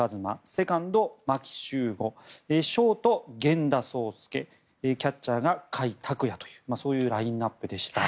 セカンド、牧秀悟ショート、源田壮亮キャッチャーが甲斐拓也というラインアップでした。